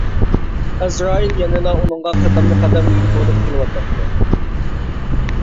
ئەزرائىل يەنىلا ئۇنىڭغا قەدەممۇ قەدەم يوپۇرۇلۇپ كېلىۋاتاتتى.